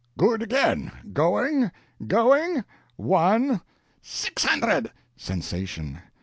"Good again! Going, going one " "Six hundred!" Sensation.